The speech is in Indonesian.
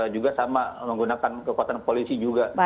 juga sama menggunakan kekuatan polisi juga